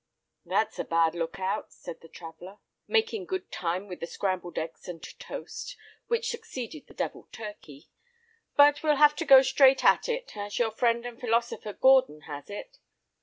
"That's a bad look out!" said the traveller, making good time with the scrambled eggs and toast, which succeeded the devilled turkey, "but we'll have to go straight at it, as your friend and philosopher, Gordon, has it.